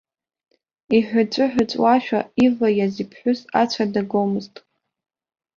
Иҳәыҵәы-ҳәыҵәуашәа иваиаз иԥҳәыс ацәа дагомызт.